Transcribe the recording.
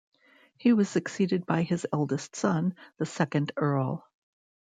He was succeeded by his eldest son, the second Earl.